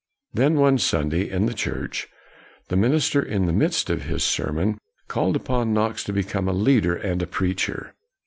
Then, one Sunday in the church, the minister, in the midst of his sermon, called on Knox to become a leader and a preacher.